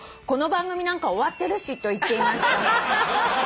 この番組なんか終わってるし』と言っていました」